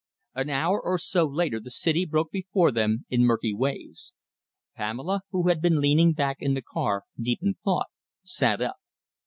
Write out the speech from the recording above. .... An hour or so later the city broke before them in murky waves. Pamela, who had been leaning back in the car, deep in thought, sat up.